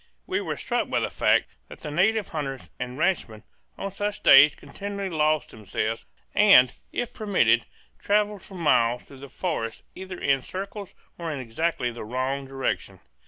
We were struck by the fact that the native hunters and ranchmen on such days continually lost themselves and, if permitted, travelled for miles through the forest either in circles or in exactly the wrong direction.